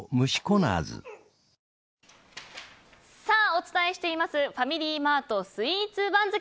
お伝えしていますファミリーマートスイーツ番付。